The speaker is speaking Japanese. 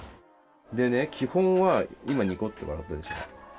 でね基本は今ニコッと笑ったでしょ。